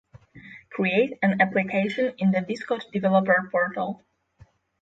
create an application in the Discord developer portal